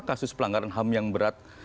karena itu itu adalah hal yang sangat berat